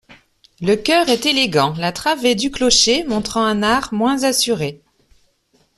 Le chœur est élégant, la travée du clocher montrant un art moins assuré.